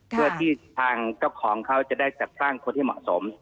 เพื่อที่ทางเจ้าของเขาจะได้จัดสร้างคนที่เหมาะสม